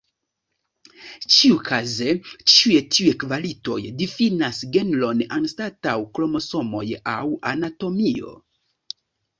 Ĉiukaze, ĉiuj tiuj kvalitoj difinas genron anstataŭ kromosomoj aŭ anatomio.